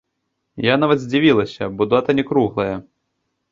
Я нават здзівілася, бо дата не круглая.